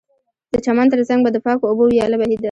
د چمن ترڅنګ به د پاکو اوبو ویاله بهېده